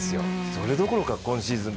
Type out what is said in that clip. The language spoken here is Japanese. それどころか今シーズン